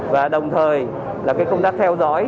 và đồng thời là công tác theo dõi